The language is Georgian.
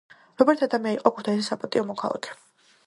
რობერტ ადამია იყო ქუთაისის საპატიო მოქალაქე.